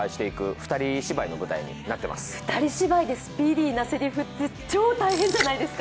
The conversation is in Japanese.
２人芝居でスピーディーのせりふって超大変じゃないですか。